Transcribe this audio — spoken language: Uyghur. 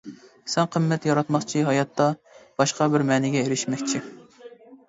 سەن قىممەت ياراتماقچى، ھاياتتا باشقا بىر مەنىگە ئېرىشمەكچى!